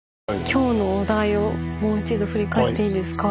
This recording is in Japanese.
今日のお題をもう一度振り返っていいですか。